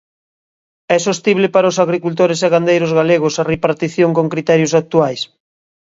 ¿É sostible para os agricultores e gandeiros galegos a repartición con criterios actuais?